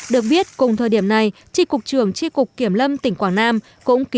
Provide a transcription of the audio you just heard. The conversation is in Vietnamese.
được biết cùng thời điểm này tri cục trưởng tri cục kiểm lâm tỉnh quảng nam